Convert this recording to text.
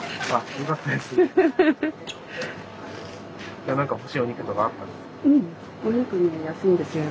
よかったですね。